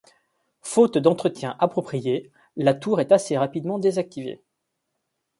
Faute d’entretien approprié, la tour est assez rapidement désactivée.